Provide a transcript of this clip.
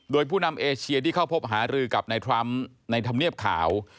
โดยผู้นำเอเชียที่เข้าพบหารือกับนายทรัมป์ในธรรมเนียบขาว